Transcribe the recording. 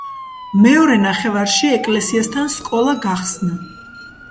მეორე ნახევარში ეკლესიასთან სკოლა გახსნა.